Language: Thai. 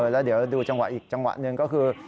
แล้วเดี๋ยวดูจังหวะอีกจังหวะหนึ่งก็คือ